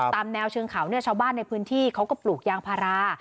ตามแนวเชิงเขาเนี่ยชาวบ้านในพื้นที่เขาก็ปลูกยางพารา